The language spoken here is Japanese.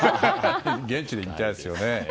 現地で見たいですよね。